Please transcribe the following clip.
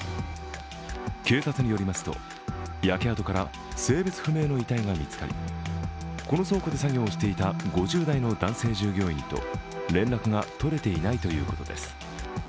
警察によりますと、焼け跡から性別不明の遺体が見つかり、この倉庫で作業をしていた５０代の男性従業員と連絡が取れていないということです。